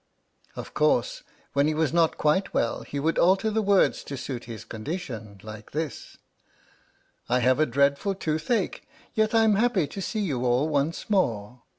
Of course, when he was not quite well he would alter the words to suit his condition, like this: I have a dreadful toothache, yet I'm happy To see you all once more!